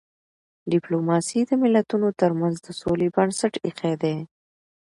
ډيپلوماسي د ملتونو ترمنځ د سولي بنسټ ایښی دی.